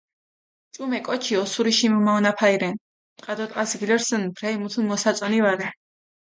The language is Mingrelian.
ჭუმე კოჩი ოსურიში მჷმაჸონაფალი რენ, ტყა დო ტყას გილურსჷნ, ბრელი მუთუნ მოსაწონი ვარე.